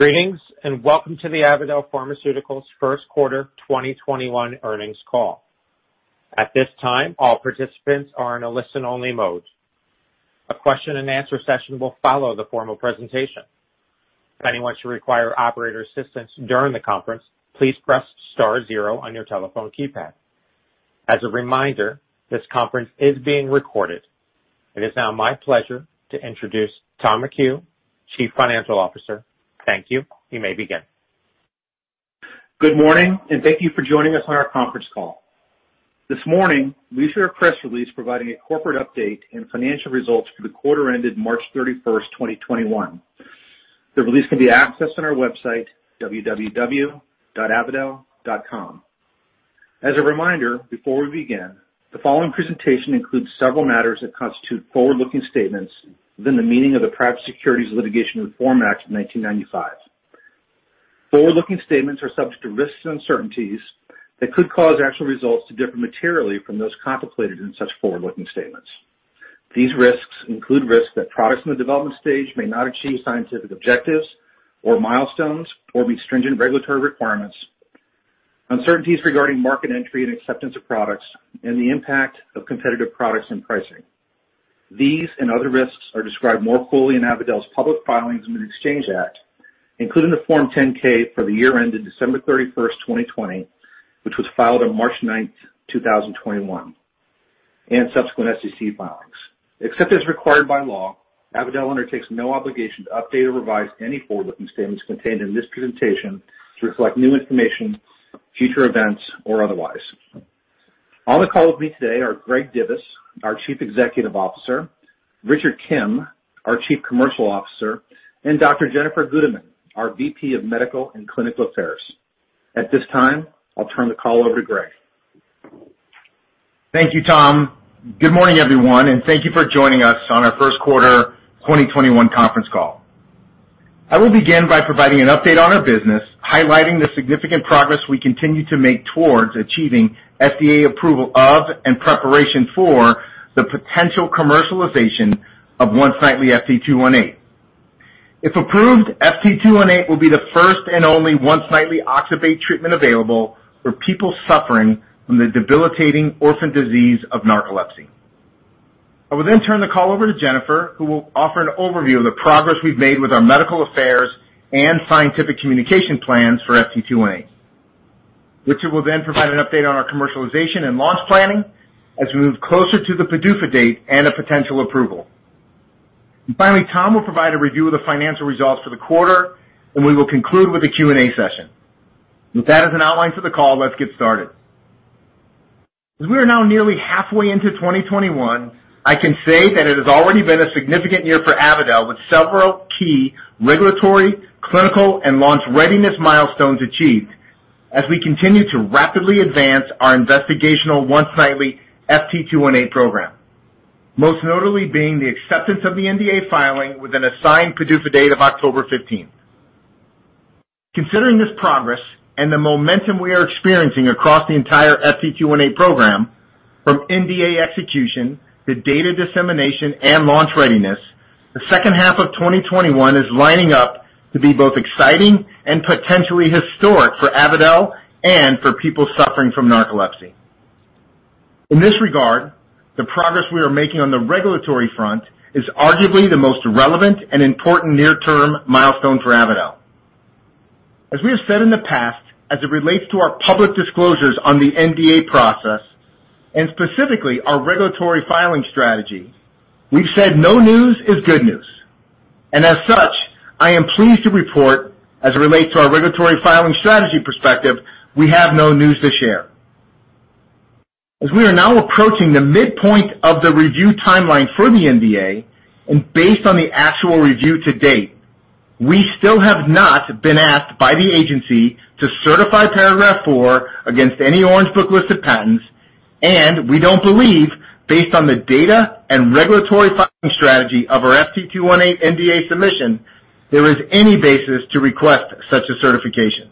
Greetings, welcome to the Avadel Pharmaceuticals first quarter 2021 earnings call. At this time, all participants are in a listen-only mode. A question and answer session will follow the formal presentation. If anyone should require operator assistance during the conference, please press star zero on your telephone keypad. As a reminder, this conference is being recorded. It is now my pleasure to introduce Tom McHugh, Chief Financial Officer. Thank you. You may begin. Good morning. Thank you for joining us on our conference call. This morning, we issued a press release providing a corporate update and financial results for the quarter ended March 31st, 2021. The release can be accessed on our website, www.avadel.com. As a reminder, before we begin, the following presentation includes several matters that constitute forward-looking statements within the meaning of the Private Securities Litigation Reform Act of 1995. Forward-looking statements are subject to risks and uncertainties that could cause actual results to differ materially from those contemplated in such forward-looking statements. These risks include risks that products in the development stage may not achieve scientific objectives or milestones or meet stringent regulatory requirements, uncertainties regarding market entry and acceptance of products, and the impact of competitive products and pricing. These and other risks are described more fully in Avadel's public filings in the Exchange Act, including the Form 10-K for the year ended December 31st, 2020, which was filed on March 9th, 2021, and subsequent SEC filings. Except as required by law, Avadel undertakes no obligation to update or revise any forward-looking statements contained in this presentation to reflect new information, future events, or otherwise. On the call with me today are Greg Divis, our Chief Executive Officer, Richard Kim, our Chief Commercial Officer, and Dr. Jennifer Gudeman, our VP of Medical & Clinical Affairs. At this time, I'll turn the call over to Greg. Thank you, Tom. Good morning, everyone, and thank you for joining us on our first quarter 2021 conference call. I will begin by providing an update on our business, highlighting the significant progress we continue to make towards achieving FDA approval of and preparation for the potential commercialization of once-nightly FT218. If approved, FT218 will be the first and only once-nightly oxybate treatment available for people suffering from the debilitating orphan disease of narcolepsy. I will then turn the call over to Jennifer, who will offer an overview of the progress we've made with our medical affairs and scientific communication plans for FT218. Richard will then provide an update on our commercialization and launch planning as we move closer to the PDUFA date and a potential approval. Finally, Tom will provide a review of the financial results for the quarter, and we will conclude with the Q&A session. With that as an outline for the call, let's get started. As we are now nearly halfway into 2021, I can say that it has already been a significant year for Avadel, with several key regulatory, clinical, and launch readiness milestones achieved as we continue to rapidly advance our investigational once-nightly FT218 program, most notably being the acceptance of the NDA filing with an assigned PDUFA date of October 15th. Considering this progress and the momentum we are experiencing across the entire FT218 program, from NDA execution to data dissemination and launch readiness, the second half of 2021 is lining up to be both exciting and potentially historic for Avadel and for people suffering from narcolepsy. In this regard, the progress we are making on the regulatory front is arguably the most relevant and important near-term milestone for Avadel. As we have said in the past, as it relates to our public disclosures on the NDA process and specifically our regulatory filing strategy, we've said no news is good news. As such, I am pleased to report, as it relates to our regulatory filing strategy perspective, we have no news to share. As we are now approaching the midpoint of the review timeline for the NDA, and based on the actual review to date, we still have not been asked by the agency to certify Paragraph IV against any Orange Book list of patents, and we don't believe, based on the data and regulatory filing strategy of our FT218 NDA submission, there is any basis to request such a certification.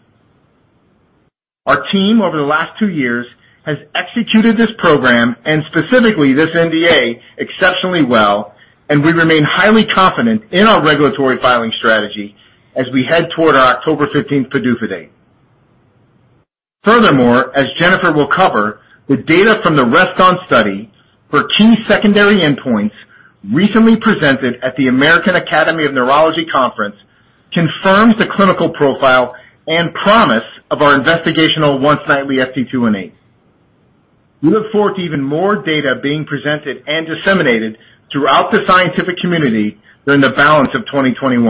Our team, over the last two years, has executed this program and specifically this NDA exceptionally well, and we remain highly confident in our regulatory filing strategy as we head toward our October 15th PDUFA date. Furthermore, as Jennifer will cover, the data from the REST-ON study for two secondary endpoints recently presented at the American Academy of Neurology Conference confirms the clinical profile and promise of our investigational once-nightly FT218. We look forward to even more data being presented and disseminated throughout the scientific community during the balance of 2021.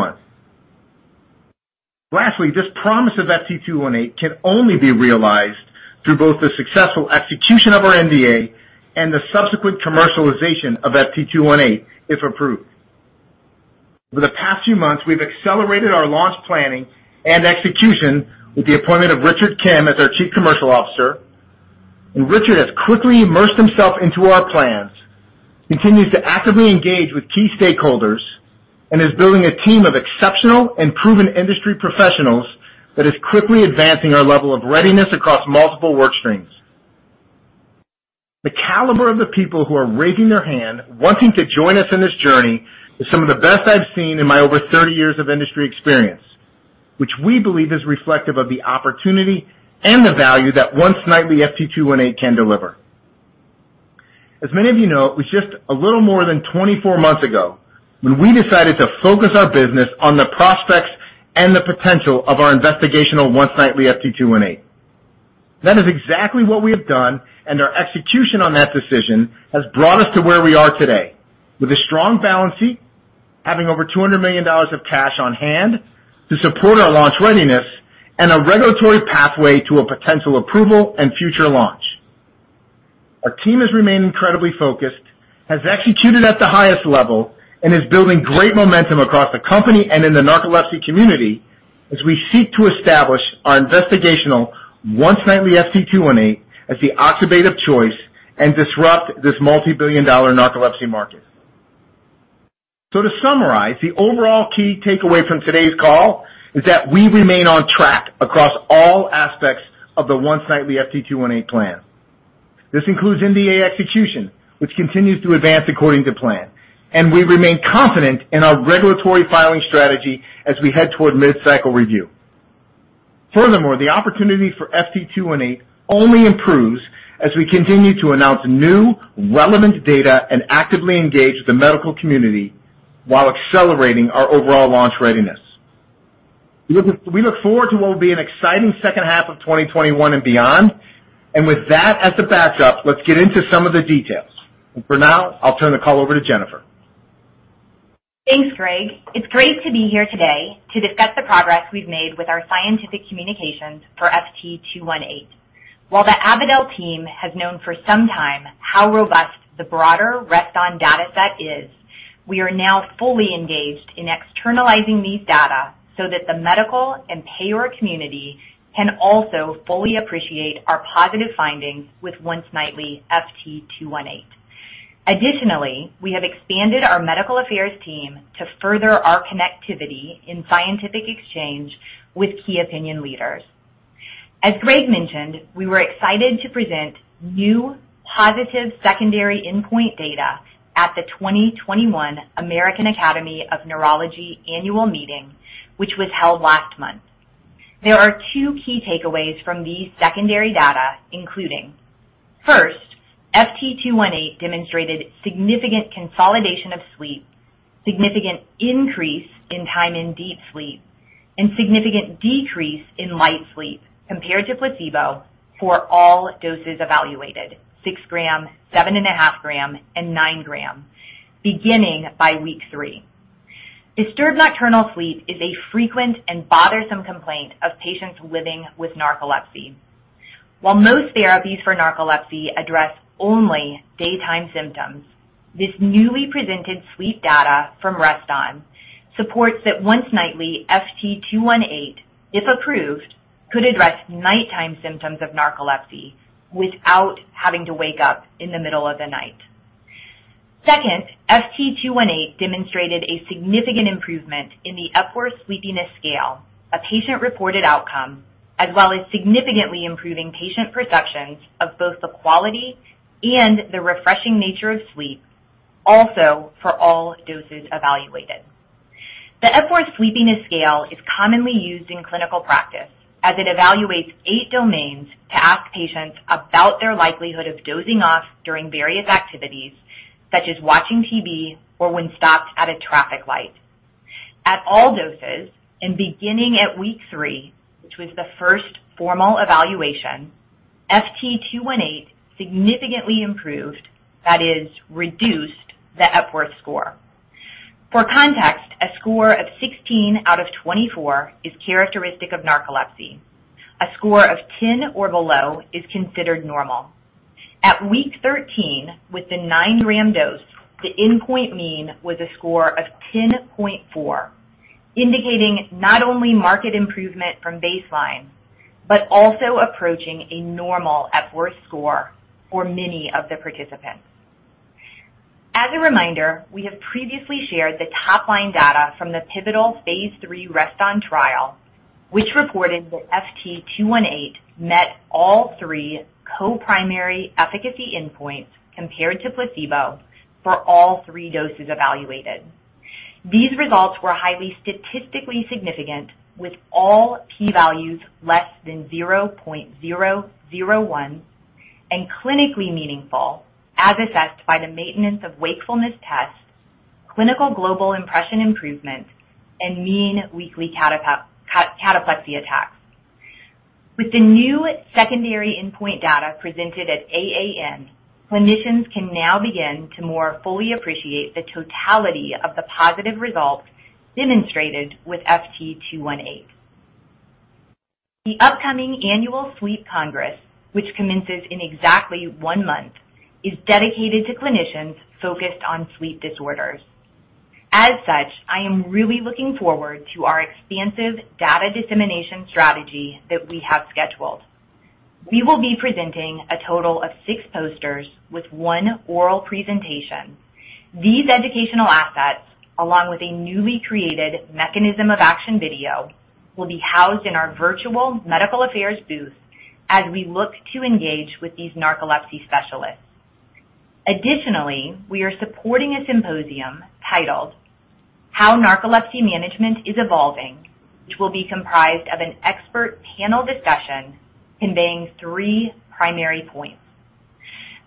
Lastly, this promise of FT218 can only be realized through both the successful execution of our NDA and the subsequent commercialization of FT218, if approved. Over the past few months, we've accelerated our launch planning and execution with the appointment of Richard Kim as our Chief Commercial Officer, and Richard has quickly immersed himself into our plans, continues to actively engage with key stakeholders, and is building a team of exceptional and proven industry professionals that is quickly advancing our level of readiness across multiple work streams. The caliber of the people who are raising their hand wanting to join us in this journey is some of the best I've seen in my over 30 years of industry experience, which we believe is reflective of the opportunity and the value that once-nightly FT218 can deliver. As many of you know, it was just a little more than 24 months ago when we decided to focus our business on the prospects and the potential of our investigational once-nightly FT218. That is exactly what we have done, and our execution on that decision has brought us to where we are today with a strong balance sheet, having over $200 million of cash on hand to support our launch readiness and a regulatory pathway to a potential approval and future launch. Our team has remained incredibly focused, has executed at the highest level, and is building great momentum across the company and in the narcolepsy community as we seek to establish our investigational once-nightly FT218 as the oxybate of choice and disrupt this multi-billion dollar narcolepsy market. To summarize, the overall key takeaway from today's call is that we remain on track across all aspects of the once-nightly FT218 plan. This includes NDA execution, which continues to advance according to plan, and we remain confident in our regulatory filing strategy as we head toward mid-cycle review. Furthermore, the opportunity for FT218 only improves as we continue to announce new relevant data and actively engage the medical community while accelerating our overall launch readiness. We look forward to what will be an exciting second half of 2021 and beyond. With that as the backdrop, let's get into some of the details. For now, I'll turn the call over to Jennifer. Thanks, Greg. It's great to be here today to discuss the progress we've made with our scientific communications for FT218. While the Avadel team has known for some time how robust the broader REST-ON dataset is, we are now fully engaged in externalizing these data so that the medical and payer community can also fully appreciate our positive findings with once-nightly FT218. Additionally, we have expanded our medical affairs team to further our connectivity in scientific exchange with key opinion leaders. As Greg mentioned, we were excited to present new positive secondary endpoint data at the 2021 American Academy of Neurology Annual Meeting, which was held last month. There are two key takeaways from these secondary data, including, first, FT218 demonstrated significant consolidation of sleep, significant increase in time in deep sleep, and significant decrease in light sleep compared to placebo for all doses evaluated, 6 g, 7.5 g, and 9 g, beginning by week three. Disturbed nocturnal sleep is a frequent and bothersome complaint of patients living with narcolepsy. While most therapies for narcolepsy address only daytime symptoms, this newly presented sleep data from REST-ON supports that once-nightly FT218, if approved, could address nighttime symptoms of narcolepsy without having to wake up in the middle of the night. Second, FT218 demonstrated a significant improvement in the Epworth Sleepiness Scale, a patient-reported outcome, as well as significantly improving patient perceptions of both the quality and the refreshing nature of sleep also for all doses evaluated. The Epworth Sleepiness Scale is commonly used in clinical practice as it evaluates eight domains to ask patients about their likelihood of dozing off during various activities, such as watching TV or when stopped at a traffic light. At all doses and beginning at week three, which was the first formal evaluation, FT218 significantly improved, that is reduced, the Epworth score. For context, a score of 16 out of 24 is characteristic of narcolepsy. A score of 10 or below is considered normal. At week 13, with the 9 g dose, the endpoint mean was a score of 10.4, indicating not only marked improvement from baseline, but also approaching a normal Epworth score for many of the participants. As a reminder, we have previously shared the top-line data from the pivotal phase III REST-ON trial, which reported that FT218 met all three co-primary efficacy endpoints compared to placebo for all three doses evaluated. These results were highly statistically significant, with allp-values less than 0.001 and clinically meaningful, as assessed by the Maintenance of Wakefulness Test, Clinical Global Impression improvement, and mean weekly cataplexy attacks. With the new secondary endpoint data presented at AAN, clinicians can now begin to more fully appreciate the totality of the positive results demonstrated with FT218. The upcoming annual Sleep Congress, which commences in exactly one month, is dedicated to clinicians focused on sleep disorders. I am really looking forward to our expansive data dissemination strategy that we have scheduled. We will be presenting a total of six posters with one oral presentation. These educational assets, along with a newly created mechanism of action video, will be housed in our virtual medical affairs booth as we look to engage with these narcolepsy specialists. Additionally, we are supporting a symposium titled "How Narcolepsy Management is Evolving," which will be comprised of an expert panel discussion conveying three primary points.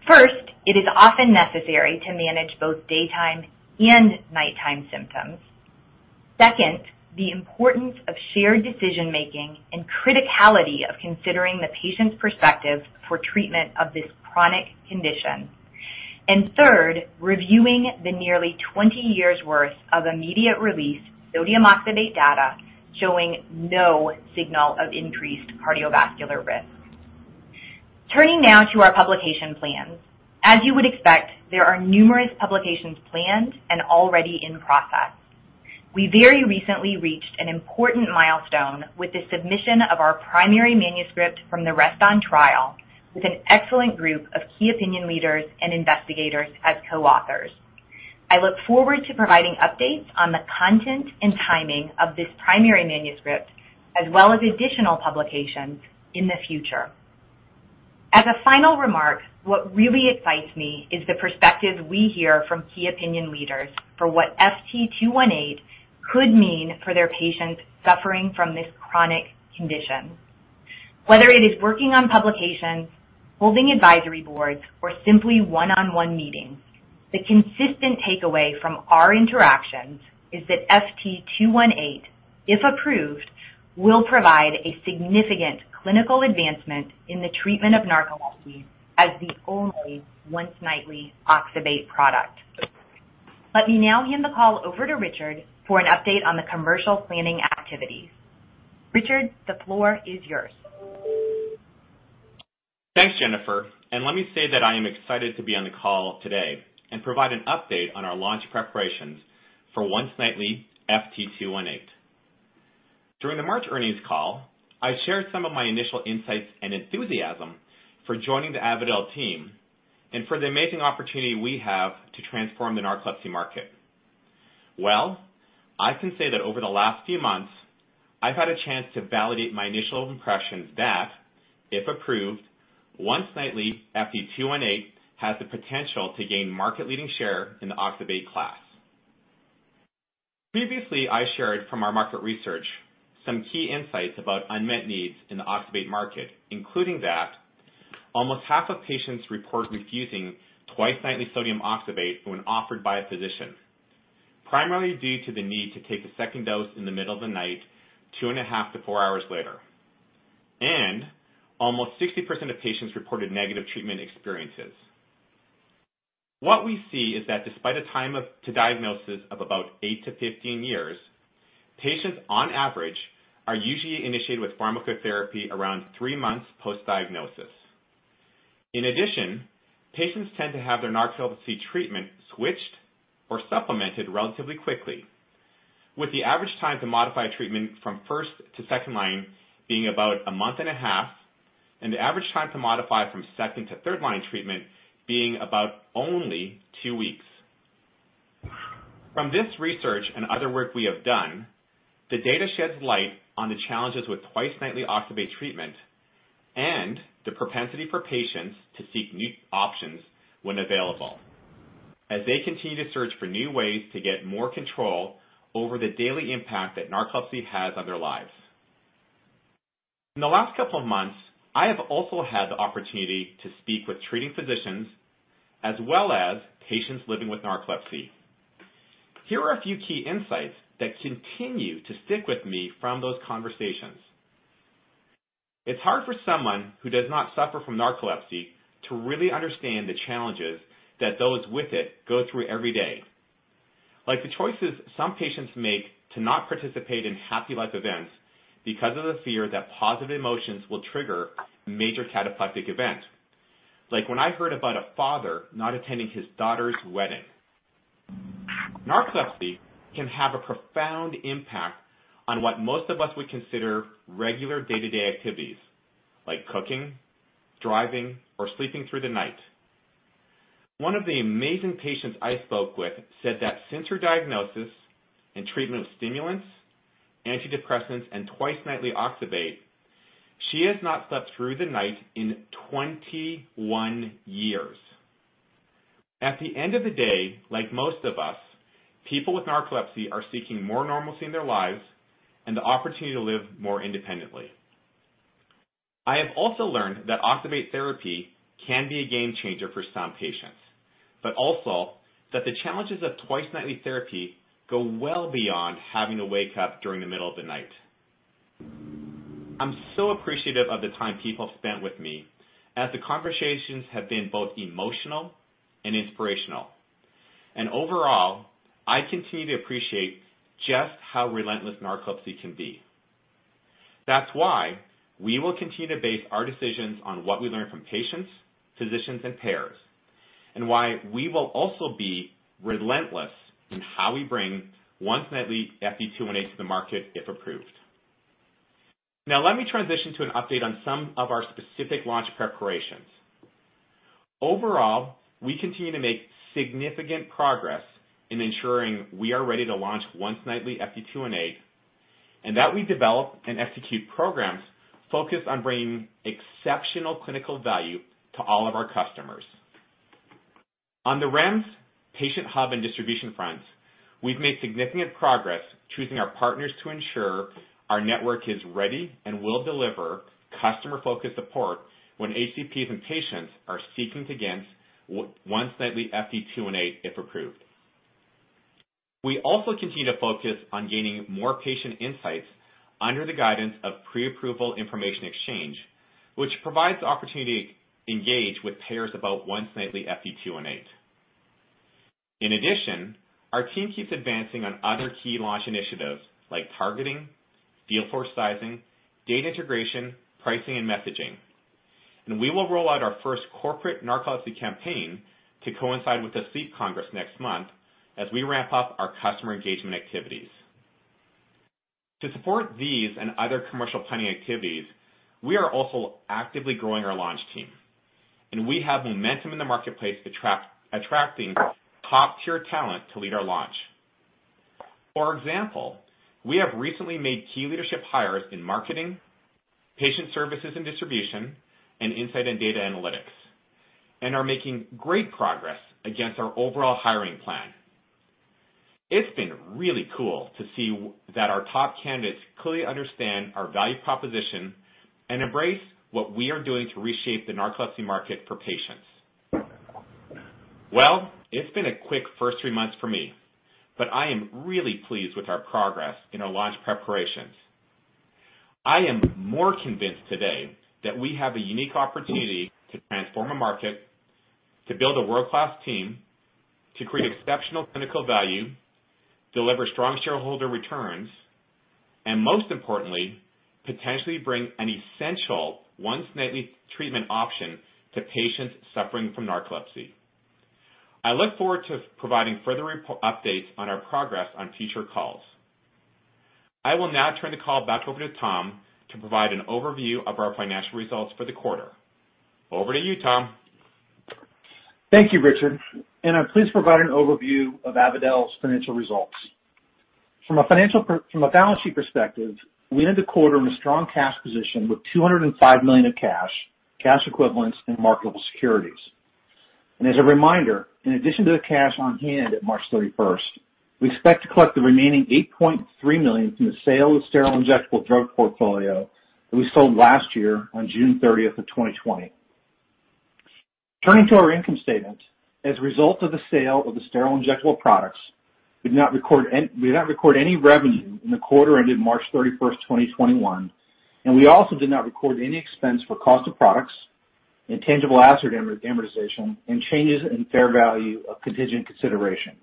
First, it is often necessary to manage both daytime and nighttime symptoms. Second, the importance of shared decision-making and criticality of considering the patient's perspective for treatment of this chronic condition. Third, reviewing the nearly 20 years' worth of immediate-release sodium oxybate data showing no signal of increased cardiovascular risk. Turning now to our publication plans. As you would expect, there are numerous publications planned and already in process. We very recently reached an important milestone with the submission of our primary manuscript from the REST-ON trial with an excellent group of key opinion leaders and investigators as co-authors. I look forward to providing updates on the content and timing of this primary manuscript, as well as additional publications in the future. As a final remark, what really excites me is the perspective we hear from key opinion leaders for what FT218 could mean for their patients suffering from this chronic condition. Whether it is working on publications, holding advisory boards, or simply one-on-one meetings, the consistent takeaway from our interactions is that FT218, if approved, will provide a significant clinical advancement in the treatment of narcolepsy as the only once-nightly oxybate product. Let me now hand the call over to Richard for an update on the commercial planning activities. Richard, the floor is yours. Thanks, Jennifer, and let me say that I am excited to be on the call today and provide an update on our launch preparations for once-nightly FT218. During the March earnings call, I shared some of my initial insights and enthusiasm for joining the Avadel team and for the amazing opportunity we have to transform the narcolepsy market. Well, I can say that over the last few months, I've had a chance to validate my initial impressions that, if approved, once-nightly FT218 has the potential to gain market-leading share in the oxybate class. Previously, I shared from our market research some key insights about unmet needs in the oxybate market, including that almost half of patients report refusing twice-nightly sodium oxybate when offered by a physician, primarily due to the need to take the second dose in the middle of the night, two and a half to four hours later. Almost 60% of patients reported negative treatment experiences. What we see is that despite a time of, to diagnosis of about 8-15 years, patients on average are usually initiated with pharmacotherapy around three months post-diagnosis. In addition, patients tend to have their narcolepsy treatment switched or supplemented relatively quickly, with the average time to modify treatment from first to second-line being about a month and a half, and the average time to modify from second to third-line treatment being about only two weeks. From this research and other work we have done, the data sheds light on the challenges with twice-nightly oxybate treatment and the propensity for patients to seek new options when available, as they continue to search for new ways to get more control over the daily impact that narcolepsy has on their lives. In the last couple of months, I have also had the opportunity to speak with treating physicians as well as patients living with narcolepsy. Here are a few key insights that continue to stick with me from those conversations. It's hard for someone who does not suffer from narcolepsy to really understand the challenges that those with it go through every day. Like the choices some patients make to not participate in happy life events because of the fear that positive emotions will trigger a major cataplectic event, like when I heard about a father not attending his daughter's wedding. Narcolepsy can have a profound impact on what most of us would consider regular day-to-day activities, like cooking, driving, or sleeping through the night. One of the amazing patients I spoke with said that since her diagnosis and treatment with stimulants, antidepressants, and twice-nightly oxybate, she has not slept through the night in 21 years. At the end of the day, like most of us, people with narcolepsy are seeking more normalcy in their lives and the opportunity to live more independently. I have also learned that oxybate therapy can be a game-changer for some patients, but also that the challenges of twice-nightly therapy go well beyond having to wake up during the middle of the night. I'm so appreciative of the time people have spent with me, as the conversations have been both emotional and inspirational. Overall, I continue to appreciate just how relentless narcolepsy can be. That's why we will continue to base our decisions on what we learn from patients, physicians, and payers, and why we will also be relentless in how we bring once-nightly FT218 to the market if approved. Let me transition to an update on some of our specific launch preparations. Overall, we continue to make significant progress in ensuring we are ready to launch once-nightly FT218, and that we develop and execute programs focused on bringing exceptional clinical value to all of our customers. On the REMS patient hub and distribution fronts, we've made significant progress choosing our partners to ensure our network is ready and will deliver customer-focused support when HCPs and patients are seeking access to once-nightly FT218, if approved. We also continue to focus on gaining more patient insights under the guidance of Pre-approval Information Exchange, which provides the opportunity to engage with payers about once-nightly FT218. In addition, our team keeps advancing on other key launch initiatives like targeting, field force sizing, data integration, pricing, and messaging. We will roll out our first corporate narcolepsy campaign to coincide with the Sleep Congress next month as we ramp up our customer engagement activities. To support these and other commercial planning activities, we are also actively growing our launch team, and we have momentum in the marketplace attracting top-tier talent to lead our launch. For example, we have recently made key leadership hires in marketing, patient services and distribution, and insight and data analytics, and are making great progress against our overall hiring plan. It's been really cool to see that our top candidates clearly understand our value proposition and embrace what we are doing to reshape the narcolepsy market for patients. It's been a quick first three months for me, but I am really pleased with our progress in our launch preparations. I am more convinced today that we have a unique opportunity to transform a market, to build a world-class team, to create exceptional clinical value, deliver strong shareholder returns, and most importantly, potentially bring an essential once-nightly treatment option to patients suffering from narcolepsy. I look forward to providing further updates on our progress on future calls. I will now turn the call back over to Tom to provide an overview of our financial results for the quarter. Over to you, Tom. Thank you, Richard. I'm pleased to provide an overview of Avadel's financial results. From a balance sheet perspective, we ended the quarter in a strong cash position with $205 million of cash equivalents, and marketable securities. As a reminder, in addition to the cash on hand at March 31st, we expect to collect the remaining $8.3 million from the sale of sterile injectable drug portfolio that we sold last year on June 30th of 2020. Turning to our income statement, as a result of the sale of the sterile injectable products, we did not record any revenue in the quarter ended March 31st, 2021. We also did not record any expense for cost of products and tangible asset amortization and changes in fair value of contingent consideration.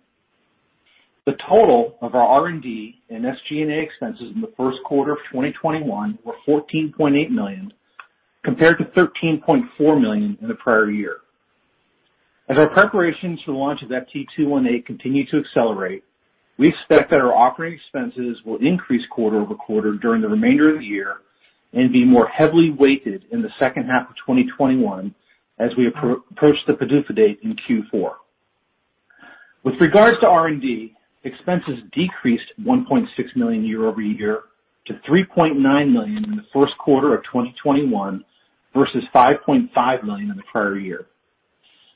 The total of our R&D and SG&A expenses in the first quarter of 2021 were $14.8 million, compared to $13.4 million in the prior year. As our preparations for the launch of FT218 continue to accelerate, we expect that our operating expenses will increase quarter-over-quarter during the remainder of the year and be more heavily weighted in the second half of 2021 as we approach the PDUFA date in Q4. With regards to R&D, expenses decreased $1.6 million year-over-year to $3.9 million in the first quarter of 2021 versus $5.5 million in the prior year.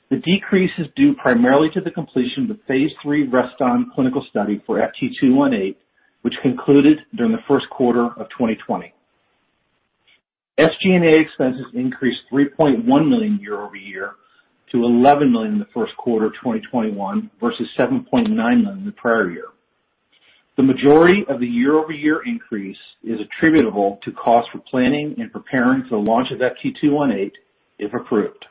The decrease is due primarily to the completion of the phase III REST-ON clinical study for FT218, which concluded during the first quarter of 2020. SG&A expenses increased $3.1 million year-over-year to $11 million in the first quarter of 2021 versus $7.9 million the prior year. The majority of the year-over-year increase is attributable to cost for planning and preparing for the launch of FT218 if approved.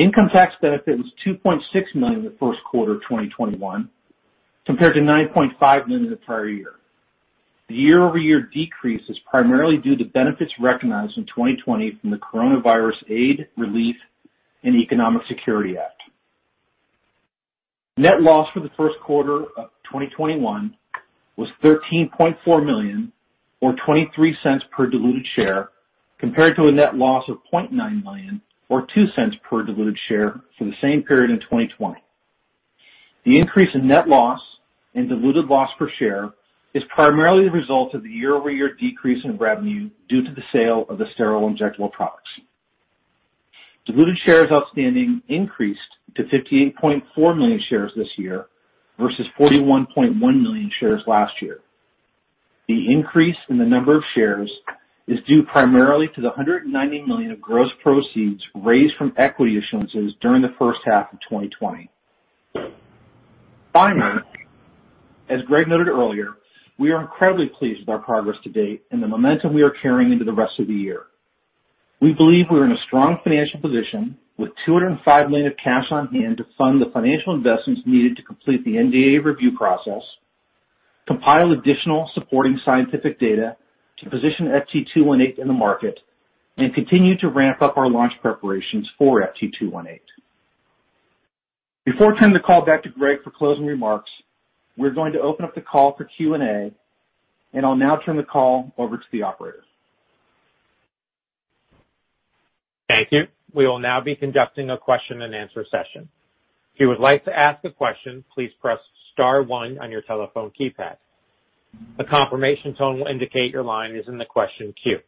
Income tax benefit was $2.6 million in the first quarter of 2021 compared to $9.5 million in the prior year. The year-over-year decrease is primarily due to benefits recognized in 2020 from the Coronavirus Aid, Relief, and Economic Security Act. Net loss for the first quarter of 2021 was $13.4 million or $0.23 per diluted share, compared to a net loss of $0.9 million or $0.02 per diluted share for the same period in 2020. The increase in net loss and diluted loss per share is primarily the result of the year-over-year decrease in revenue due to the sale of the sterile injectable products. Diluted shares outstanding increased to 58.4 million shares this year versus 41.1 million shares last year. The increase in the number of shares is due primarily to the $190 million of gross proceeds raised from equity issuances during the first half of 2020. As Greg noted earlier, we are incredibly pleased with our progress to date and the momentum we are carrying into the rest of the year. We believe we are in a strong financial position with $205 million of cash on hand to fund the financial investments needed to complete the NDA review process, compile additional supporting scientific data to position FT218 in the market, and continue to ramp up our launch preparations for FT218. Before I turn the call back to Greg for closing remarks, we're going to open up the call for Q&A. I'll now turn the call over to the operator. Thank you. We will now be conducting a question-and-answer session. If you would like to ask a question, please press star one on your telephone keypad. A confirmation tone will indicate your line is in the question queue.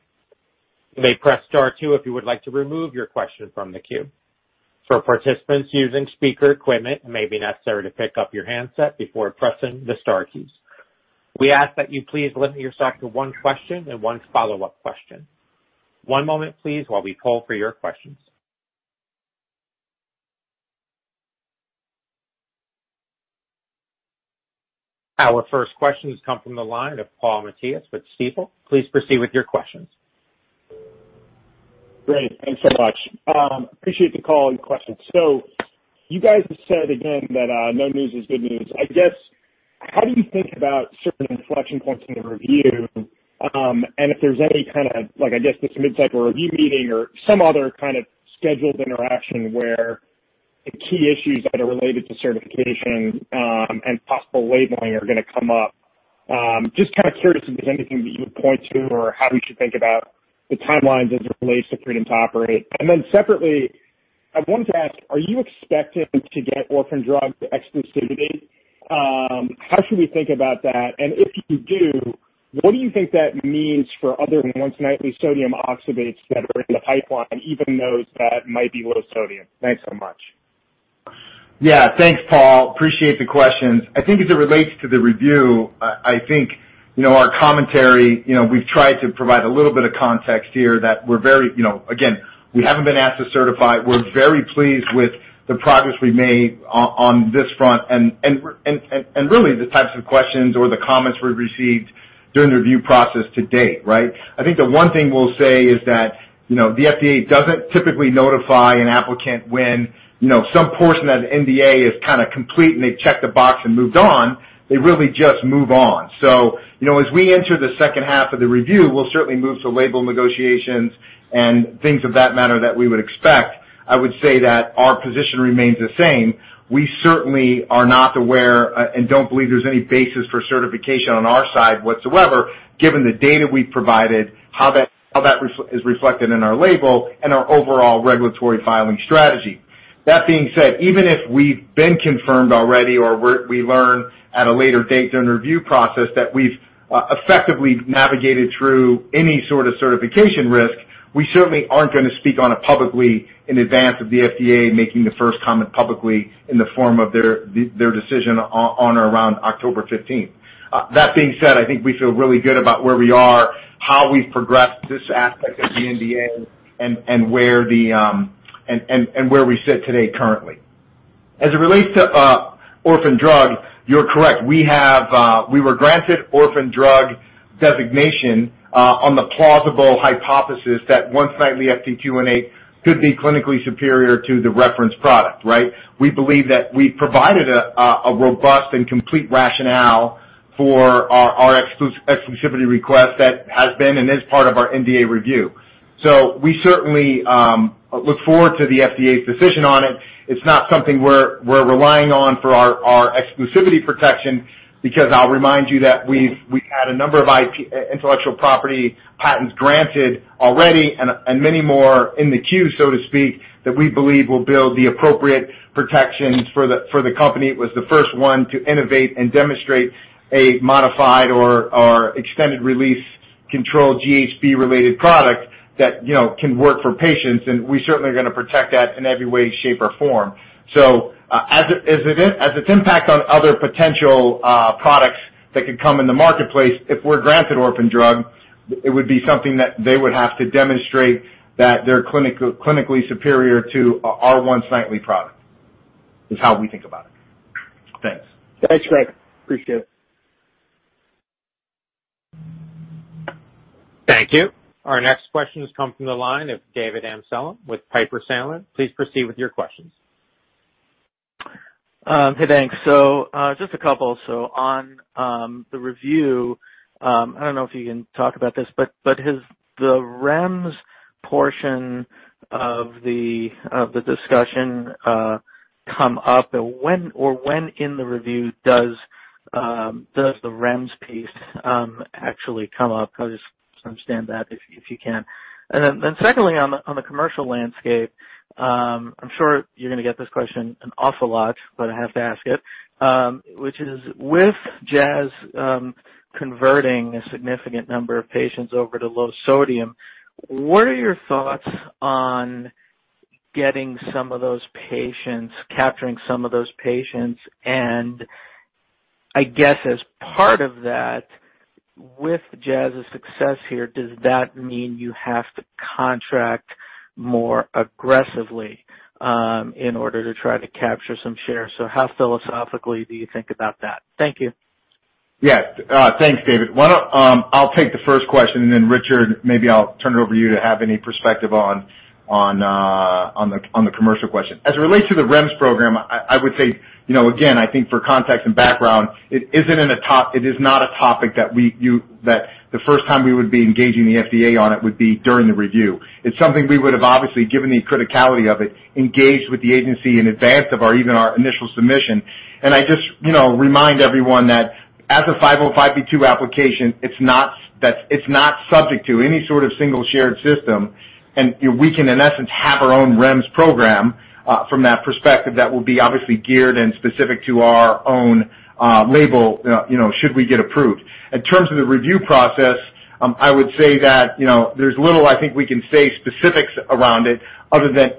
You may press star two if you would like to remove your question from the queue. For participants using speaker equipment, it may be necessary to pick up your handset before pressing the star keys. We ask that you please limit yourself to one question and one follow-up question. One moment please while we poll for your questions. Our first question has come from the line of Paul Matteis with Stifel. Please proceed with your questions. Great. Thanks so much. Appreciate the call and questions. You guys have said again that no news is good news. I guess, how do you think about certain inflection points in the review? If there's any kind of mid-cycle review meeting or some other kind of scheduled interaction where the key issues that are related to certification and possible labeling are going to come up. Just curious if there's anything that you would point to or how we should think about the timelines as it relates to freedom to operate. Separately, I wanted to ask, are you expecting to get orphan drug exclusivity? How should we think about that? If you do, what do you think that means for other once-nightly sodium oxybates that are in the pipeline, even those that might be low-sodium? Thanks so much. Thanks, Paul. Appreciate the questions. I think as it relates to the review, I think our commentary, we've tried to provide a little bit of context here that, again, we haven't been asked to certify. We're very pleased with the progress we made on this front and really the types of questions or the comments we've received during the review process to date, right? I think the one thing we'll say is that the FDA doesn't typically notify an applicant when some portion of the NDA is complete and they've checked a box and moved on. They really just move on. As we enter the second half of the review, we'll certainly move to label negotiations and things of that matter that we would expect. I would say that our position remains the same. We certainly are not aware and don't believe there's any basis for certification on our side whatsoever, given the data we've provided, how that is reflected in our label and our overall regulatory filing strategy. That being said, even if we've been confirmed already or we learn at a later date during the review process that we've effectively navigated through any sort of certification risk, we certainly aren't going to speak on it publicly in advance of the FDA making the first comment publicly in the form of their decision on or around October 15th. That being said, I think we feel really good about where we are, how we've progressed this aspect of the NDA, and where we sit today currently. As it relates to orphan drug, you're correct. We were granted orphan drug designation on the plausible hypothesis that once-nightly FT218 could be clinically superior to the reference product, right? We believe that we provided a robust and complete rationale for our exclusivity request that has been and is part of our NDA review. We certainly look forward to the FDA's decision on it. It's not something we're relying on for our exclusivity protection because I'll remind you that we've had a number of intellectual property patents granted already and many more in the queue, so to speak, that we believe will build the appropriate protections for the company. It was the first one to innovate and demonstrate a modified or extended release controlled GHB-related product that can work for patients and we certainly are going to protect that in every way, shape or form. As it impacts on other potential products that could come in the marketplace, if we're granted orphan drug, it would be something that they would have to demonstrate that they're clinically superior to our once-nightly product, is how we think about it. Thanks. Thanks, Greg. Appreciate it. Thank you. Our next question has come from the line of David Amsellem with Piper Sandler. Please proceed with your questions. Hey, thanks. Just a couple. On the review, I don't know if you can talk about this, but has the REMS portion of the discussion come up or when in the review does the REMS piece actually come up? I just understand that if you can. Secondly on the commercial landscape, I'm sure you're going to get this question an awful lot, but I have to ask it, which is with Jazz converting a significant number of patients over to low sodium, what are your thoughts on getting some of those patients, capturing some of those patients and I guess as part of that, with Jazz's success here, does that mean you have to contract more aggressively in order to try to capture some share? How philosophically do you think about that? Thank you. Yeah. Thanks, David. I'll take the first question and then Richard, maybe I'll turn it over to you to have any perspective on the commercial question. As it relates to the REMS program, I would say, again, I think for context and background, it is not a topic that the first time we would be engaging the FDA on it would be during the review. It's something we would have obviously, given the criticality of it, engaged with the agency in advance of even our initial submission. I just remind everyone that as a 505(b)(2) application, it's not subject to any sort of single shared system, and we can, in essence, have our own REMS program from that perspective that will be obviously geared and specific to our own label, should we get approved. In terms of the review process, I would say that there's little I think we can say specifics around it other than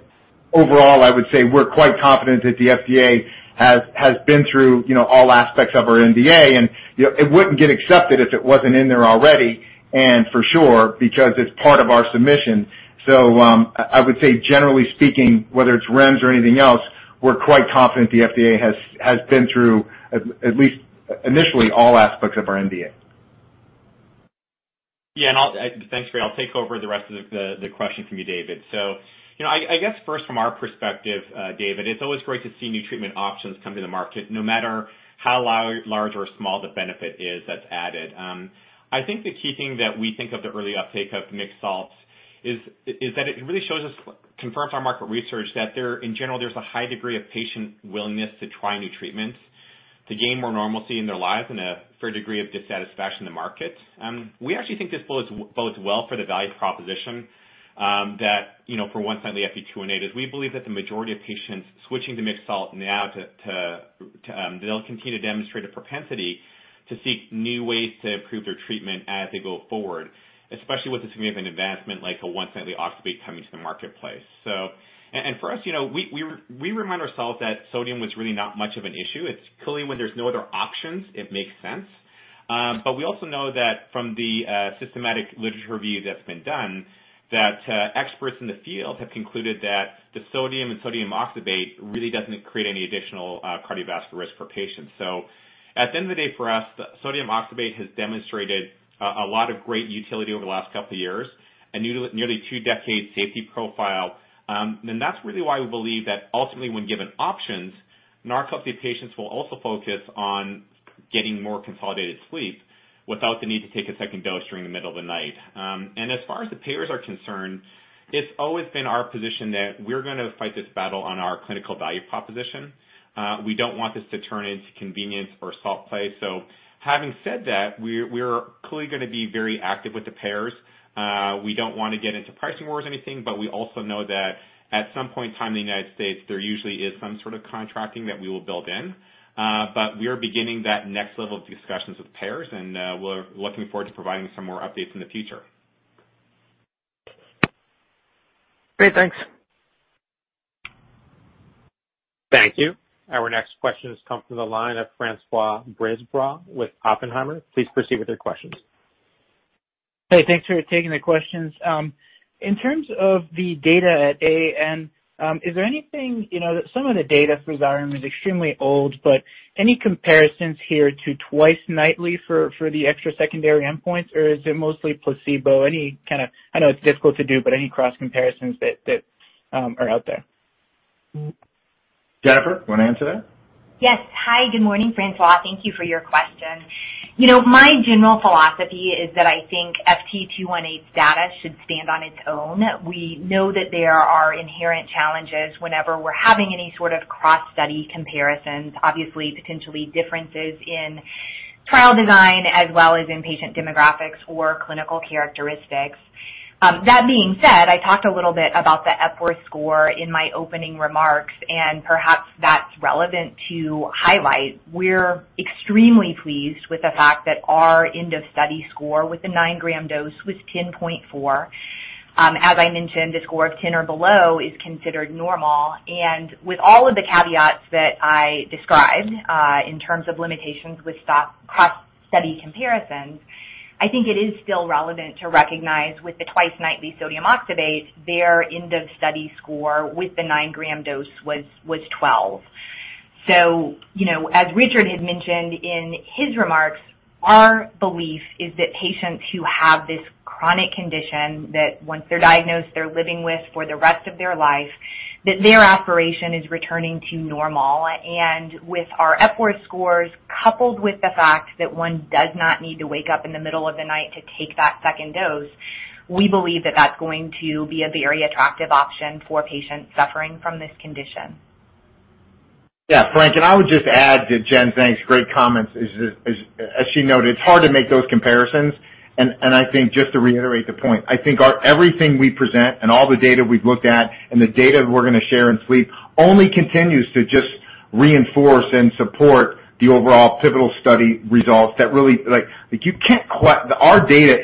overall, I would say we're quite confident that the FDA has been through all aspects of our NDA. It wouldn't get accepted if it wasn't in there already, and for sure, because it's part of our submission. I would say generally speaking, whether it's REMS or anything else, we're quite confident the FDA has been through at least initially, all aspects of our NDA. Thanks, Greg. I'll take over the rest of the question from you, David. I guess first from our perspective, David, it's always great to see new treatment options come to the market, no matter how large or small the benefit is that's added. I think the key thing that we think of the early uptake of mixed salts is that it really confirms our market research that in general, there's a high degree of patient willingness to try new treatments to gain more normalcy in their lives and for a degree of dissatisfaction in the market. We actually think this bodes well for the value proposition that for once nightly FT218 is. We believe that the majority of patients switching to mixed salt now, they'll continue to demonstrate a propensity to seek new ways to improve their treatment as they go forward, especially with a significant advancement like a once-nightly oxybate coming to the marketplace. For us, we remind ourselves that sodium was really not much of an issue. It's clearly when there's no other options, it makes sense. We also know that from the systematic literature review that's been done, that experts in the field have concluded that the sodium and sodium oxybate really doesn't create any additional cardiovascular risk for patients. At the end of the day, for us, sodium oxybate has demonstrated a lot of great utility over the last couple of years and nearly two decades safety profile. That's really why we believe that ultimately when given options, narcolepsy patients will also focus on getting more consolidated sleep without the need to take a second dose during the middle of the night. As far as the payers are concerned, it's always been our position that we're going to fight this battle on our clinical value proposition. We don't want this to turn into convenience or salt play. Having said that, we're clearly going to be very active with the payers. We don't want to get into pricing wars or anything, but we also know that at some point in time in the U.S., there usually is some sort of contracting that we will build in. We are beginning that next level of discussions with payers and we're looking forward to providing some more updates in the future. Great. Thanks. Thank you. Our next question comes from the line of François Brisebois with Oppenheimer. Please proceed with your questions. Hey, thanks for taking the questions. In terms of the data at AAN, some of the data for Xyrem is extremely old. Any comparisons here to twice nightly for the extra secondary endpoints, or is it mostly placebo? Any kind of, I know it's difficult to do, any cross-comparisons that are out there? Jennifer, want to answer that? Yes. Hi, good morning, François. Thank you for your question. My general philosophy is that I think FT218's data should stand on its own. We know that there are inherent challenges whenever we're having any sort of cross-study comparisons, obviously, potentially differences in trial design as well as in patient demographics or clinical characteristics. That being said, I talked a little bit about the Epworth score in my opening remarks, perhaps that's relevant to highlight. We're extremely pleased with the fact that our end-of-study score with the 9-g dose was 10.4. As I mentioned, a score of 10 or below is considered normal. With all of the caveats that I described in terms of limitations with cross-study comparisons, I think it is still relevant to recognize with the twice-nightly sodium oxybate, their end-of-study score with the 9-g dose was 12. As Richard had mentioned in his remarks, our belief is that patients who have this chronic condition, that once they're diagnosed, they're living with for the rest of their life, that their aspiration is returning to normal. With our Epworth scores, coupled with the fact that one does not need to wake up in the middle of the night to take that second dose, we believe that that's going to be a very attractive option for patients suffering from this condition. Yeah. François, I would just add to Jen, thanks, great comments. As she noted, it's hard to make those comparisons and I think just to reiterate the point, I think everything we present and all the data we've looked at and the data that we're going to share in SLEEP only continues to just reinforce and support the overall pivotal study results. Our data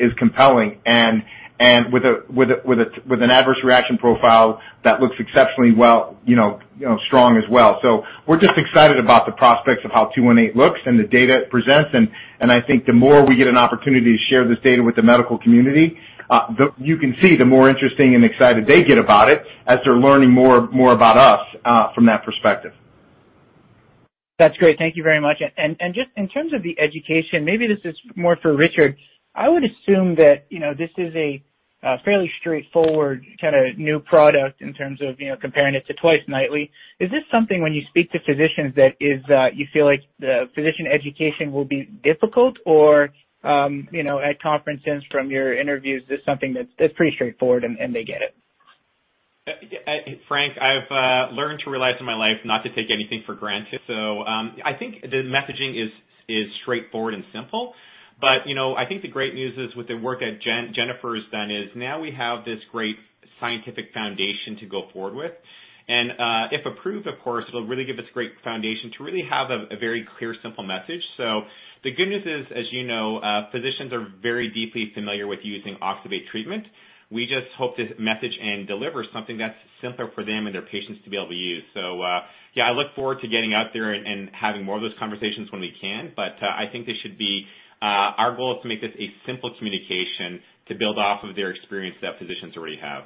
is compelling and with an adverse reaction profile that looks exceptionally well, strong as well. We're just excited about the prospects of how FT218 looks and the data it presents, and I think the more we get an opportunity to share this data with the medical community, you can see the more interesting and excited they get about it as they're learning more about us from that perspective. That's great. Thank you very much. Just in terms of the education, maybe this is more for Richard. I would assume that this is a fairly straightforward kind of new product in terms of comparing it to twice nightly. Is this something when you speak to physicians that you feel like the physician education will be difficult? At conferences from your interviews, this is something that's pretty straightforward and they get it? François, I've learned to realize in my life not to take anything for granted. I think the messaging is straightforward and simple. I think the great news is with the work that Jennifer has done is now we have this great scientific foundation to go forward with. If approved, of course, it'll really give us great foundation to really have a very clear, simple message. The good news is, as you know, physicians are very deeply familiar with using oxybate treatment. We just hope to message and deliver something that's simpler for them and their patients to be able to use. Yeah, I look forward to getting out there and having more of those conversations when we can. Our goal is to make this a simple communication to build off of their experience that physicians already have.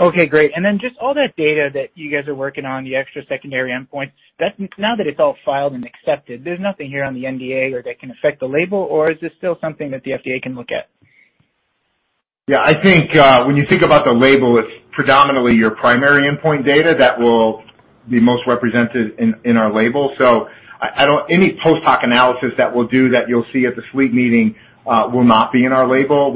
Okay, great. Just all that data that you guys are working on, the extra secondary endpoint, now that it's all filed and accepted, there's nothing here on the NDA or that can affect the label, or is this still something that the FDA can look at? Yeah, I think when you think about the label, it's predominantly your primary endpoint data that will be most represented in our label. Any post hoc analysis that we'll do that you'll see at the SLEEP annual meeting will not be in our label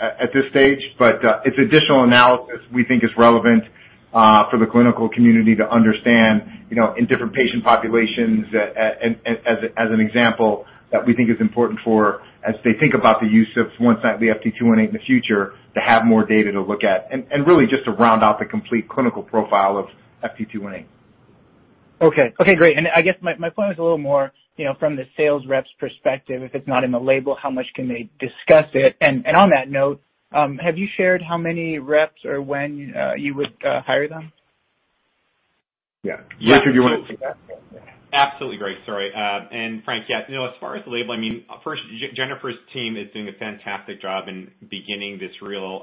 at this stage. It's additional analysis we think is relevant for the clinical community to understand in different patient populations, as an example, that we think is important for, as they think about the use of once-nightly FT218 in the future, to have more data to look at and really just to round out the complete clinical profile of FT218. Okay. Great. I guess my point was a little more from the sales rep's perspective. If it's not in the label, how much can they discuss it? On that note, have you shared how many reps or when you would hire them? Yeah. Richard. Absolutely, Greg. Sorry. François, as far as the label, first, Jennifer's team is doing a fantastic job in beginning this real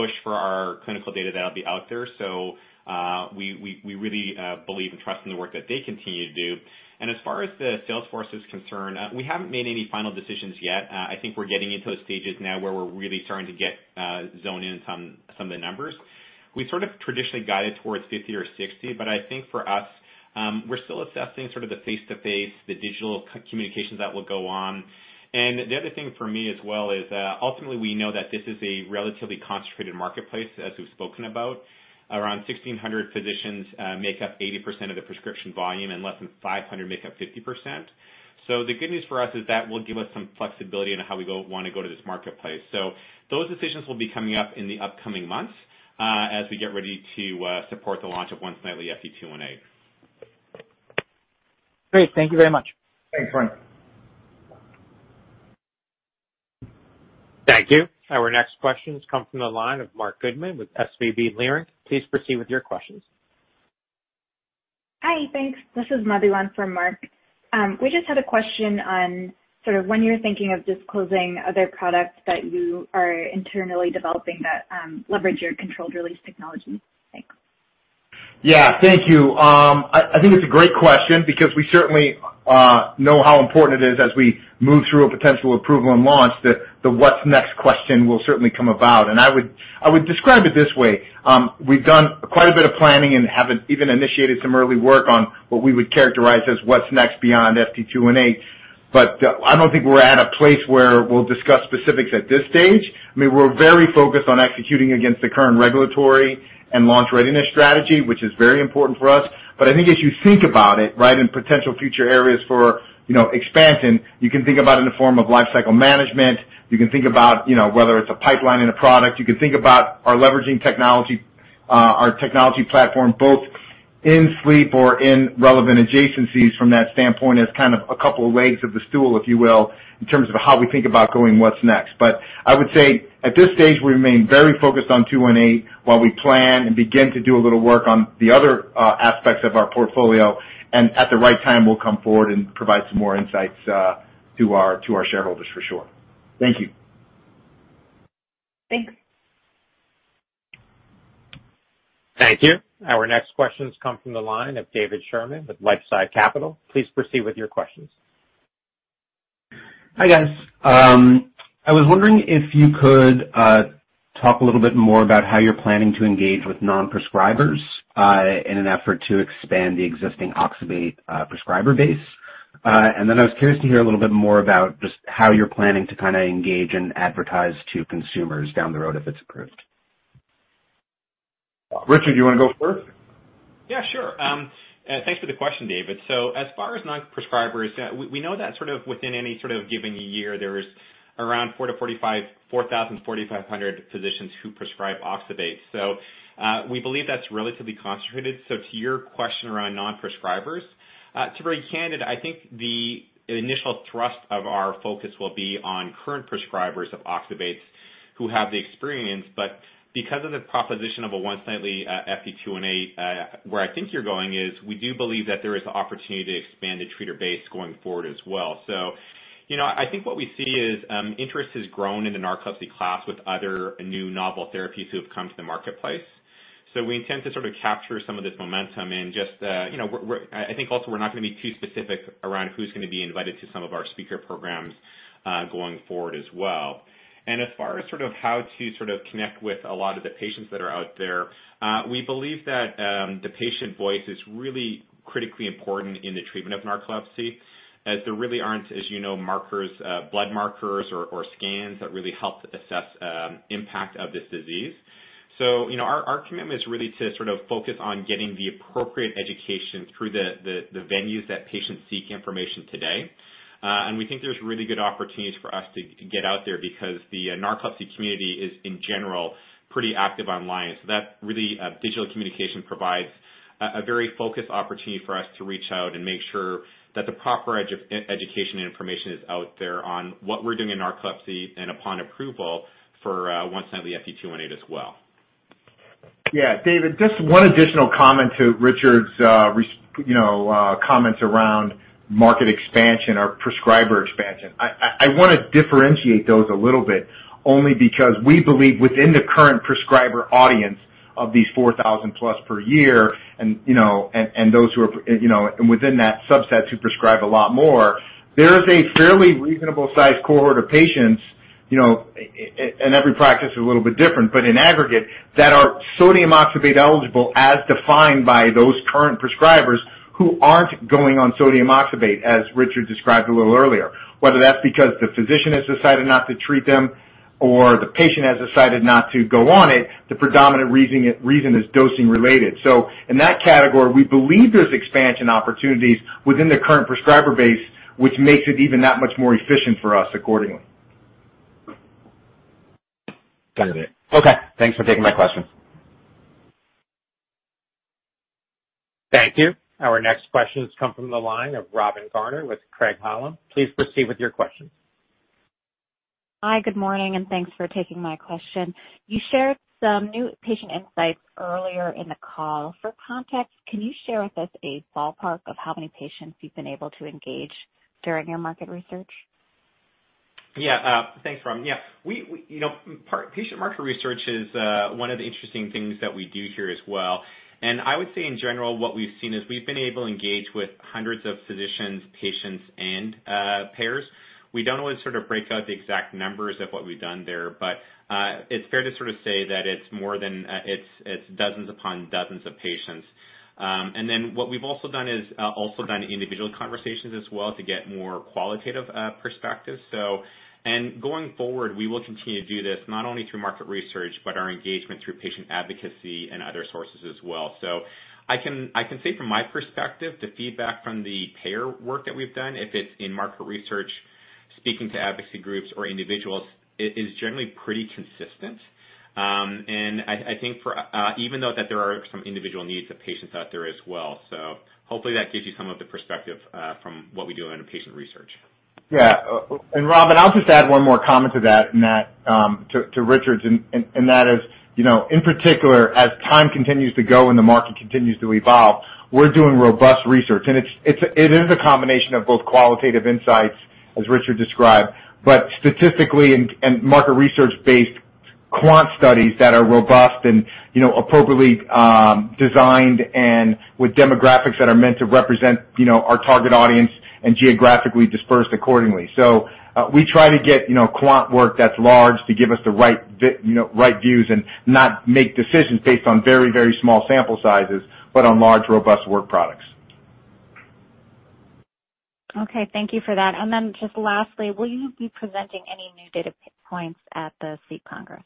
push for our clinical data that'll be out there. We really believe and trust in the work that they continue to do. As far as the sales force is concerned, we haven't made any final decisions yet. I think we're getting into the stages now where we're really starting to zone in some of the numbers. We sort of traditionally guided towards 50 or 60, but I think for us, we're still assessing sort of the face-to-face, the digital communications that will go on. The other thing for me as well is, ultimately, we know that this is a relatively concentrated marketplace, as we've spoken about. Around 1,600 physicians make up 80% of the prescription volume and less than 500 make up 50%. The good news for us is that will give us some flexibility into how we want to go to this marketplace. Those decisions will be coming up in the upcoming months as we get ready to support the launch of once-nightly FT218. Great. Thank you very much. Thanks, François. Thank you. Our next questions come from the line of Marc Goodman with SVB Leerink. Please proceed with your questions. Hi. Thanks. This is Madhu on for Marc. We just had a question on sort of when you're thinking of disclosing other products that you are internally developing that leverage your controlled release technology. Thanks. Yeah. Thank you. I think it's a great question because we certainly know how important it is as we move through a potential approval and launch, the what's next question will certainly come about. I would describe it this way. We've done quite a bit of planning and have even initiated some early work on what we would characterize as what's next beyond FT218. I don't think we're at a place where we'll discuss specifics at this stage. We're very focused on executing against the current regulatory and launch readiness strategy, which is very important for us. I think as you think about it, right, in potential future areas for expansion, you can think about in the form of life cycle management. You can think about whether it's a pipeline in a product. You can think about our leveraging technology, our technology platform, both in sleep or in relevant adjacencies from that standpoint as kind of a couple of legs of the stool, if you will, in terms of how we think about going what's next. I would say at this stage, we remain very focused on 218 while we plan and begin to do a little work on the other aspects of our portfolio. At the right time, we'll come forward and provide some more insights to our shareholders for sure. Thank you. Thanks. Thank you. Our next questions come from the line of David Sherman with LifeSci Capital. Please proceed with your questions. Hi, guys. I was wondering if you could talk a little bit more about how you're planning to engage with non-prescribers in an effort to expand the existing oxybate prescriber base? I was curious to hear a little bit more about just how you're planning to kind of engage and advertise to consumers down the road if it's approved? Richard, you want to go first? Yeah, sure. Thanks for the question, David. As far as non-prescribers, we know that sort of within any sort of given year, there is around four to 4,500 physicians who prescribe oxybate. We believe that's relatively concentrated. To your question around non-prescribers, to be very candid, I think the initial thrust of our focus will be on current prescribers of oxybates who have the experience. Because of the proposition of a once-nightly FT218, where I think you're going is we do believe that there is opportunity to expand the treater base going forward as well. I think what we see is interest has grown in the narcolepsy class with other new novel therapies who have come to the marketplace. We intend to sort of capture some of this momentum. I think also we're not going to be too specific around who's going to be invited to some of our speaker programs going forward as well. As far as sort of how to sort of connect with a lot of the patients that are out there, we believe that the patient voice is really critically important in the treatment of narcolepsy, as there really aren't, as you know, markers, blood markers or scans that really help assess impact of this disease. Our commitment is really to focus on getting the appropriate education through the venues that patients seek information today. We think there's really good opportunities for us to get out there because the narcolepsy community is, in general, pretty active online. That really, digital communication provides a very focused opportunity for us to reach out and make sure that the proper education and information is out there on what we're doing in narcolepsy and upon approval for once-nightly FT218 as well. David, just one additional comment to Richard's comments around market expansion or prescriber expansion. I want to differentiate those a little bit only because we believe within the current prescriber audience of these 4,000 plus per year and within that subset who prescribe a lot more, there is a fairly reasonable size cohort of patients, and every practice is a little bit different, but in aggregate, that are sodium oxybate eligible as defined by those current prescribers who aren't going on sodium oxybate, as Richard described a little earlier. Whether that's because the physician has decided not to treat them or the patient has decided not to go on it, the predominant reason is dosing-related. In that category, we believe there's expansion opportunities within the current prescriber base, which makes it even that much more efficient for us accordingly. Got it. Okay. Thanks for taking my question. Thank you. Our next question has come from the line of Robin Garner with Craig-Hallum. Please proceed with your question. Hi, good morning. Thanks for taking my question. You shared some new patient insights earlier in the call. For context, can you share with us a ballpark of how many patients you've been able to engage during your market research? Thanks, Robin. Patient market research is one of the interesting things that we do here as well, and I would say, in general, what we've seen is we've been able to engage with hundreds of physicians, patients, and payers. We don't always break out the exact numbers of what we've done there, but it's fair to say that it's dozens upon dozens of patients. Then what we've also done is individual conversations as well to get more qualitative perspectives. Going forward, we will continue to do this, not only through market research, but our engagement through patient advocacy and other sources as well. I can say from my perspective, the feedback from the payer work that we've done, if it's in market research, speaking to advocacy groups or individuals, it is generally pretty consistent. I think even though that there are some individual needs of patients out there as well. Hopefully that gives you some of the perspective, from what we do on patient research. Yeah. Robin, I'll just add one more comment to that to Richard's, that is, in particular, as time continues to go and the market continues to evolve, we're doing robust research. It is a combination of both qualitative insights, as Richard described, but statistically and market research-based quant studies that are robust and appropriately designed and with demographics that are meant to represent our target audience and geographically dispersed accordingly. We try to get quant work that's large to give us the right views and not make decisions based on very small sample sizes, but on large, robust work products. Okay. Thank you for that. Just lastly, will you be presenting any new data points at the SLEEP annual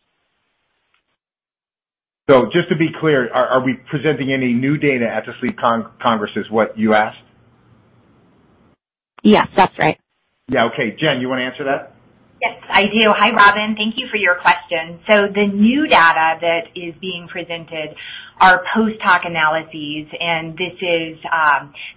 meeting? Just to be clear, are we presenting any new data at the SLEEP Congress is what you asked? Yes, that's right. Yeah. Okay. Jen, you want to answer that? Yes, I do. Hi, Robin. Thank you for your question. The new data that is being presented are post-hoc analyses. This is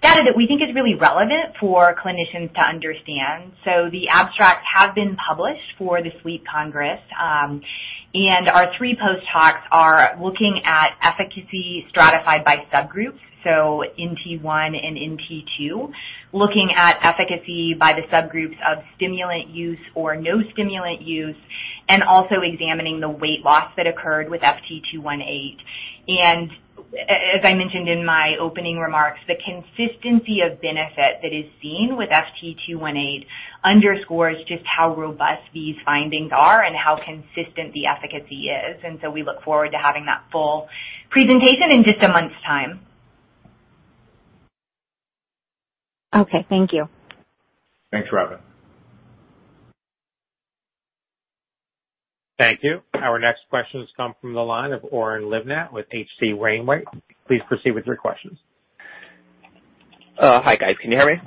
data that we think is really relevant for clinicians to understand. The abstracts have been published for the SLEEP Congress. Our three post-hoc are looking at efficacy stratified by subgroups, in NT1 and in NT2. Looking at efficacy by the subgroups of stimulant use or no stimulant use, also examining the weight loss that occurred with FT218. As I mentioned in my opening remarks, the consistency of benefit that is seen with FT218 underscores just how robust these findings are, how consistent the efficacy is. We look forward to having that full presentation in just a month's time. Okay. Thank you. Thanks, Robin. Thank you. Our next question has come from the line of Oren Livnat with H.C. Wainwright. Please proceed with your questions. Hi, guys. Can you hear me?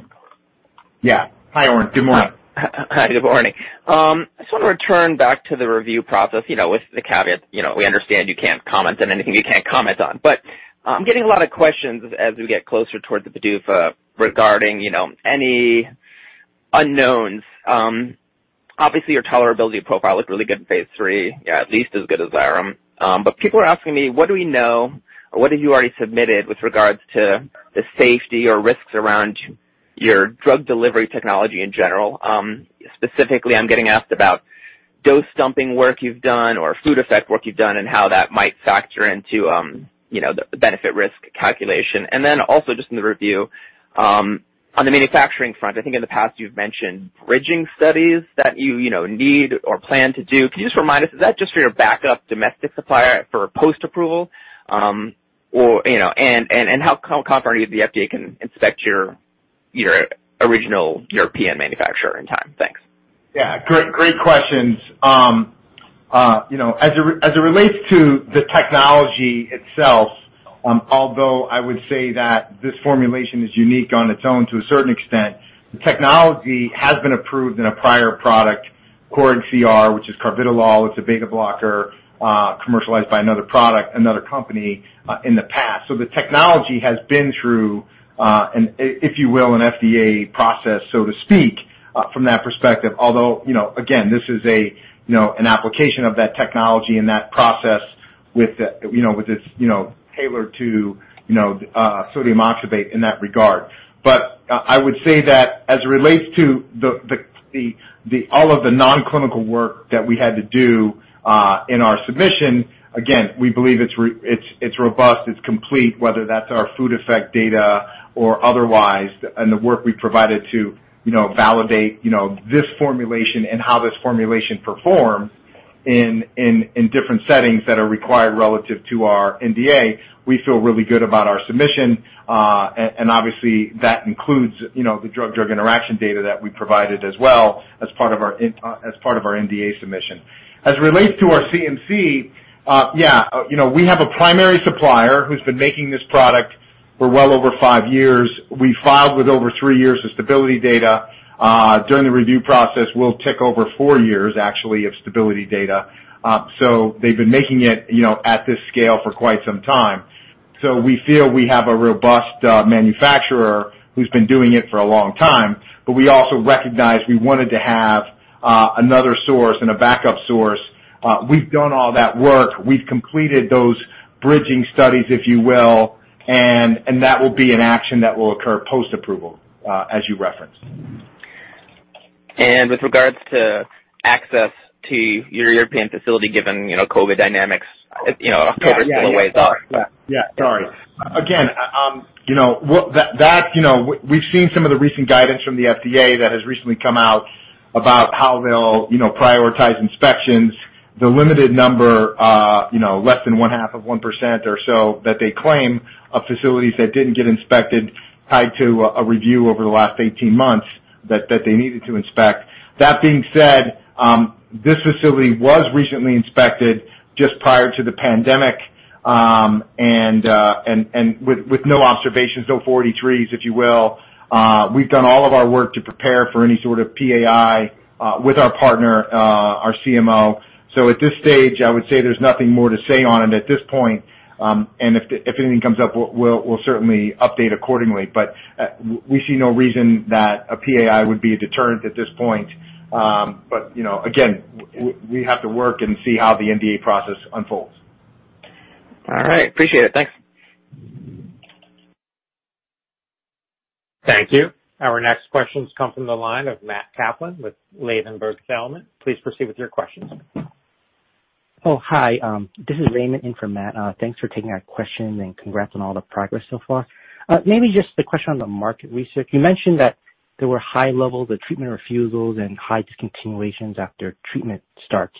Yeah. Hi, Oren. Good morning. Hi. Good morning. I just want to return back to the review process, with the caveat, we understand you can't comment on anything you can't comment on. I'm getting a lot of questions as we get closer towards the PDUFA regarding any unknowns. Obviously, your tolerability profile looked really good in phase III, at least as good as Xyrem. People are asking me, what do we know, or what have you already submitted with regards to the safety or risks around your drug delivery technology in general? Specifically, I'm getting asked about dose dumping work you've done or food effect work you've done and how that might factor into the benefit-risk calculation. Also just in the review, on the manufacturing front, I think in the past you've mentioned bridging studies that you need or plan to do. Can you just remind us, is that just for your backup domestic supplier for post-approval? How confident are you the FDA can inspect your original European manufacturer in time? Thanks. Great questions. As it relates to the technology itself, although I would say that this formulation is unique on its own to a certain extent, the technology has been approved in a prior product, Coreg CR, which is carvedilol. It's a beta blocker, commercialized by another company in the past. The technology has been through, if you will, an FDA process, so to speak, from that perspective. Although, again, this is an application of that technology and that process with this, tailored to sodium oxybate in that regard. I would say that as it relates to all of the non-clinical work that we had to do in our submission, again, we believe it's robust, it's complete, whether that's our food effect data or otherwise, and the work we've provided to validate this formulation and how this formulation performs in different settings that are required relative to our NDA. We feel really good about our submission. Obviously, that includes the drug-interaction data that we provided as well as part of our NDA submission. As it relates to our CMC, yeah. We have a primary supplier who's been making this product for well over five years. We filed with over three years of stability data. During the review process, we'll tick over four years, actually, of stability data. They've been making it at this scale for quite some time. We feel we have a robust manufacturer who's been doing it for a long time. We also recognized we wanted to have another source and a backup source. We've done all that work. We've completed those bridging studies, if you will, and that will be an action that will occur post-approval, as you referenced. With regards to access to your European facility, given COVID dynamics, October is still a ways off. Yeah. Sorry. We've seen some of the recent guidance from the FDA that has recently come out about how they'll prioritize inspections. The limited number, less than one half of 1% or so that they claim of facilities that didn't get inspected tied to a review over the last 18 months that they needed to inspect. That being said, this facility was recently inspected just prior to the pandemic, and with no observations. No 483s, if you will. We've done all of our work to prepare for any sort of PAI with our partner, our CMO. At this stage, I would say there's nothing more to say on it at this point. If anything comes up, we'll certainly update accordingly. We see no reason that a PAI would be a deterrent at this point. Again, we have to work and see how the NDA process unfolds. All right. Appreciate it. Thanks. Thank you. Our next questions come from the line of Matthew Kaplan with Ladenburg Thalmann. Please proceed with your questions. Hi. This is Raymond in for Matt. Thanks for taking our question, congrats on all the progress so far. Maybe just a question on the market research. You mentioned that there were high levels of treatment refusals and high discontinuations after treatment starts.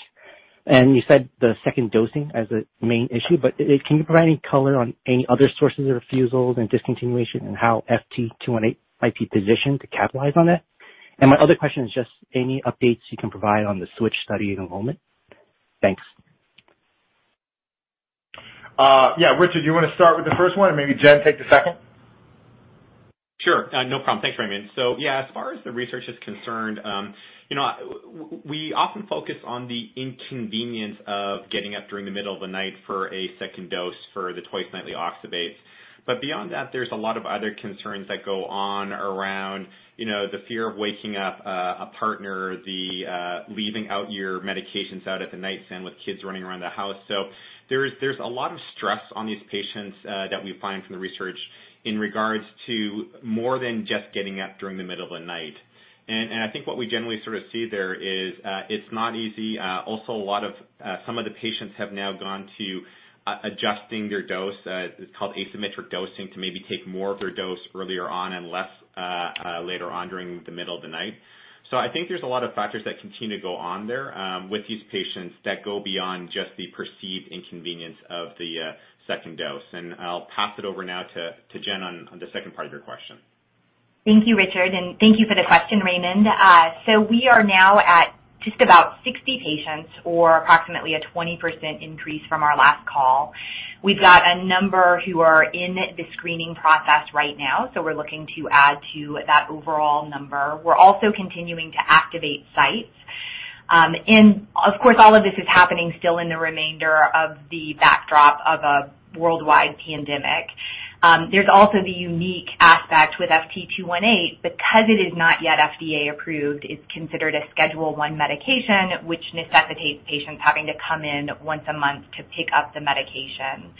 You said the second dosing as the main issue. Can you provide any color on any other sources of refusals and discontinuation and how FT218 might be positioned to capitalize on it? My other question is just any updates you can provide on the switch study enrollment. Thanks. Yeah. Richard, do you want to start with the first one and maybe Jen take the second? Sure. No problem. Thanks, Raymond. Yeah, as far as the research is concerned, we often focus on the inconvenience of getting up during the middle of the night for a second dose for the twice-nightly oxybate. Beyond that, there's a lot of other concerns that go on around the fear of waking up a partner, the leaving out your medications out at the nightstand with kids running around the house. There's a lot of stress on these patients that we find from the research in regards to more than just getting up during the middle of the night. I think what we generally sort of see there is it's not easy. Also, some of the patients have now gone to adjusting their dose. It's called asymmetric dosing, to maybe take more of their dose earlier on and less later on during the middle of the night. I think there's a lot of factors that continue to go on there with these patients that go beyond just the perceived inconvenience of the second dose. I'll pass it over now to Jen on the second part of your question. Thank you, Richard, and thank you for the question, Raymond. We are now at just about 60 patients, or approximately a 20% increase from our last call. We've got a number who are in the screening process right now, so we're looking to add to that overall number. We're also continuing to activate sites. Of course, all of this is happening still in the remainder of the backdrop of a worldwide pandemic. There's also the unique aspect with FT218. Because it is not yet FDA approved, it's considered a Schedule I medication, which necessitates patients having to come in once a month to pick up the medication.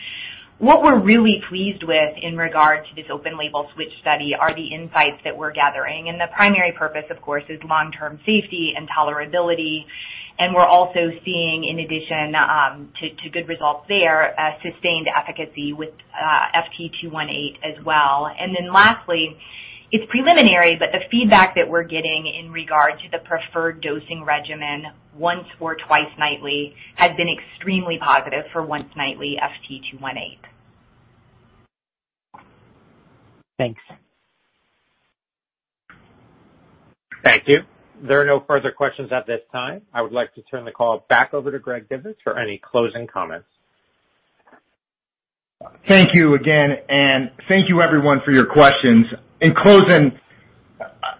What we're really pleased with in regard to this open-label switch study are the insights that we're gathering, and the primary purpose, of course, is long-term safety and tolerability. We're also seeing, in addition to good results there, sustained efficacy with FT218 as well. Lastly, it's preliminary, but the feedback that we're getting in regard to the preferred dosing regimen, once or twice nightly, has been extremely positive for once-nightly FT218. Thanks. Thank you. There are no further questions at this time. I would like to turn the call back over to Greg Divis for any closing comments. Thank you again, and thank you everyone for your questions. In closing,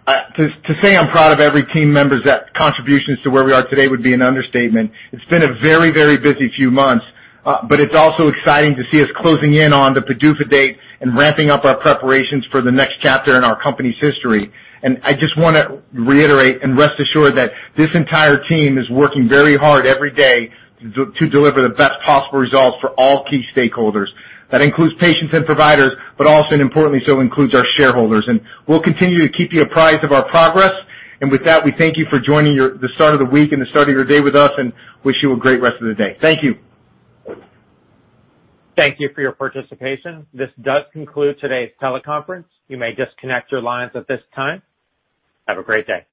to say I'm proud of every team member's contributions to where we are today would be an understatement. It's been a very, very busy few months. It's also exciting to see us closing in on the PDUFA date and ramping up our preparations for the next chapter in our company's history. I just want to reiterate and rest assured that this entire team is working very hard every day to deliver the best possible results for all key stakeholders. That includes patients and providers, but also and importantly so includes our shareholders. We'll continue to keep you apprised of our progress. With that, we thank you for joining the start of the week and the start of your day with us and wish you a great rest of the day. Thank you. Thank you for your participation. This does conclude today's teleconference. You may disconnect your lines at this time. Have a great day.